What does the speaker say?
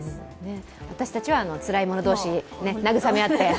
私たちはつらい者同士慰め合って。